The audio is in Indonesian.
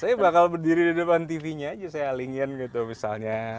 saya bakal berdiri di depan tv nya aja saya alingin gitu misalnya